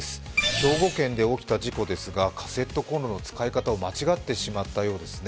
兵庫県で起きた事故ですが、カセットコンロの使い方を間違ってしまったようですね。